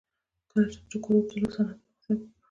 کله چې د ټوکر اوبدلو صنعت پرمختګ وکړ